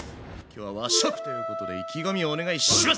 今日は和食ということで意気込みをお願いします！